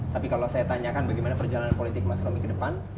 tapi kalau saya tanyakan bagaimana perjalanan politik mas romi ke depan